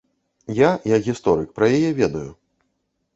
Я як гісторык пра яе ведаю.